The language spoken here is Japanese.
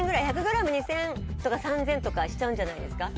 １００グラム２０００円とか３０００円とかしちゃうんじゃないですか？